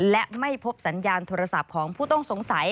และไม่พบสัญญาณโทรศัพท์ของผู้ต้องสงสัย